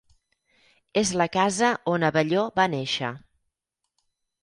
És la casa on Abelló va néixer.